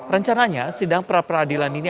rencananya sidang pra peradilan ini